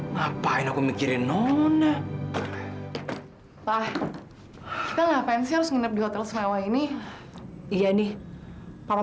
ngapain aku mikirin nona wah kita ngapain sih harus nginep di hotel swah ini iya nih para